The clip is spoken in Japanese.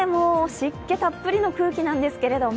湿気たっぷりの空気なんですけど。